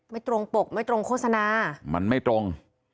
ไม่ตรงปกไม่ตรงโฆษณามันไม่ตรง